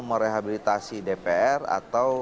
merehabilitasi dpr atau